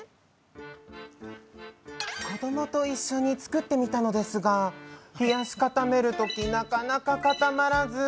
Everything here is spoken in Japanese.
「子供と一緒に作ってみたのですが冷やし固めるときなかなか固まらず。